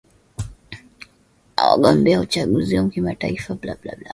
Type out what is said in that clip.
wagombea kwa uchaguzi wa kitaifa Anaweza kumwachisha rais